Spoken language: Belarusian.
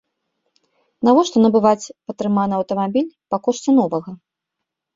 Навошта набываць патрыманы аўтамабіль па кошце новага.